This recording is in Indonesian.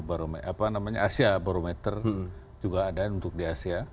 asia barometer juga ada untuk di asia